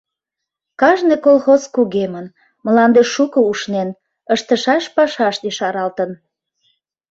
Кажне колхоз кугемын, мланде шуко ушнен, ыштышаш пашашт ешаралтын.